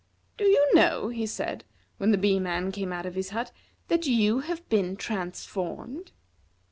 "Do you know," he said, when the Bee man came out of his hut, "that you have been transformed?"